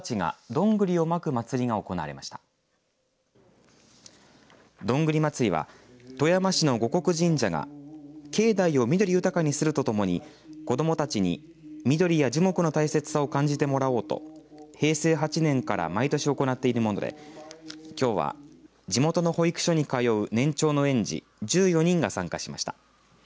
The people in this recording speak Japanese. どんぐり祭は富山市の護国神社が境内を緑豊かにするとともに子どもたちに緑や樹木の大切さを感じてもらおうと平成８年から毎年行っているものできょうは地元の保育所に通う年長の園児１４人が参加しました。